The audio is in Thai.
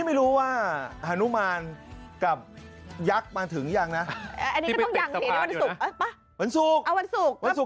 เมื่อวานไปสูบพอท่าทำก็มาเดินไปดู